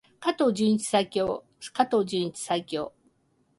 加藤純一最強！加藤純一最強！